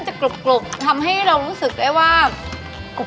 ขอเสียงเกลาคำให้ที่หน้าแจ๊คหน่อยค่ะ